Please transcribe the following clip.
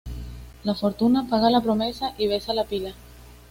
La fortuna paga la promesa y besa la pila.